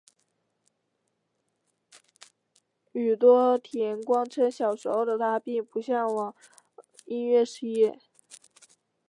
宇多田光称小时候的她并不向往音乐事业。